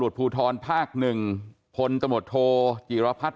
เดี๋ยวผมไปรวมรายงานทั้งหมดก่อนครับ